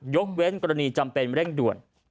ยกเว้นกรณีจำเป็นเร่งด่วน